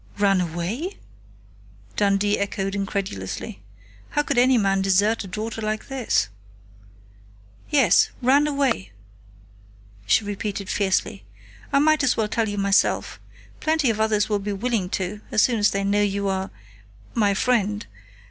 "Ran away?" Dundee echoed incredulously. How could any man desert a daughter like this! "Yes! Ran away!" she repeated fiercely. "I might as well tell you myself. Plenty of others will be willing to, as soon as they know you are my friend....